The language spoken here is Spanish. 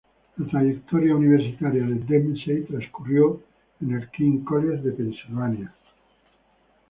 La trayectoria universitaria de Dempsey transcurrió en el King's College de Pensilvania.